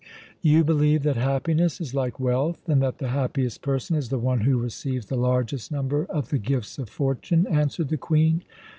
"You believe that happiness is like wealth, and that the happiest person is the one who receives the largest number of the gifts of fortune," answered the Queen.